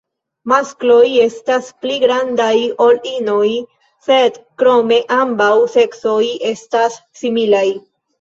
Maskloj estas pli grandaj ol inoj, sed krome ambaŭ seksoj estas similaj.